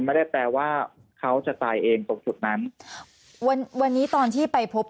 ไม่ได้แปลว่าเขาจะตายเองตรงจุดนั้นวันวันนี้ตอนที่ไปพบ